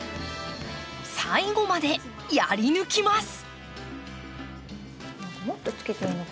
最後までやり抜きます。